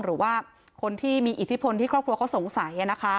หรือว่าคนที่มีอิทธิพลที่ครอบครัวเขาสงสัย